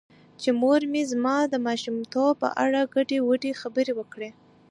چې مور مې زما د ماشومتوب په اړه ګډې وګډې خبرې وکړې .